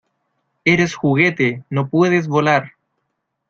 ¡ Eres juguete! ¡ no puedes volar !